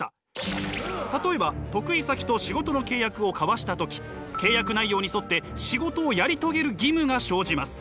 例えば得意先と仕事の契約を交わした時契約内容に沿って仕事をやり遂げる義務が生じます。